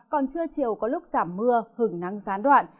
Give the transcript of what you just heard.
còn trưa chiều có lúc giảm mưa hừng nắng gián đoạn